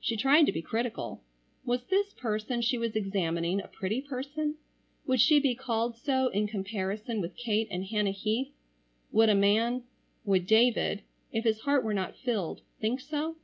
She tried to be critical. Was this person she was examining a pretty person? Would she be called so in comparison with Kate and Hannah Heath? Would a man,—would David,—if his heart were not filled,—think so?